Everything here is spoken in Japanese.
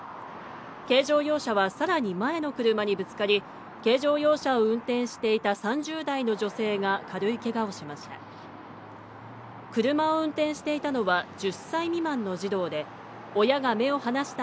軽乗用車はさらに前の車にぶつかり、軽乗用車を運転していた３０代の女性が軽いけがをしました。